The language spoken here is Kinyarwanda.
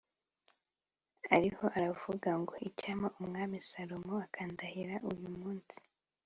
ariho aravuga ngo ‘Icyampa Umwami Salomo akandahira uyu munsi”